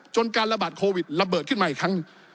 การระบาดโควิดระเบิดขึ้นมาอีกครั้ง